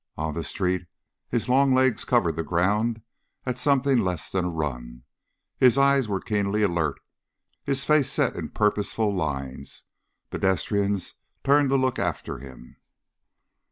On the street, his long legs covered the ground at something less than a run, his eyes were keenly alert, his face set in purposeful lines. Pedestrians turned to look after him.